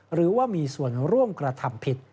หรือว่ามีส่วนร่วมกระทำผิด